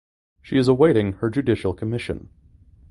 She is awaiting her judicial commission.